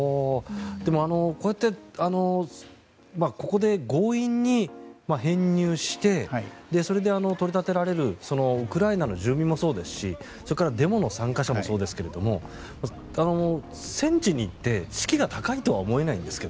でも、こうやってここで強引に編入してそれで取り立てられるウクライナの住民もそうですしそれからデモの参加者もそうですが戦地に行って士気が高いとは思えないんですが。